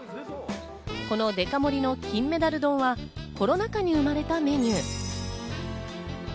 このデカ盛りの金メダル丼はコロナ禍に生まれたメニュー。